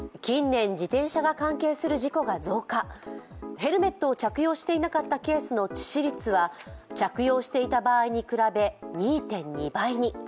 ヘルメットを着用していなかったケースの致死率は着用していた場合に比べ２．２倍に。